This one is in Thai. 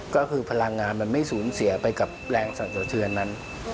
ก็คือพลังงานมันไม่สูญเสียไปกับแรงสรรสะเทือนนั้น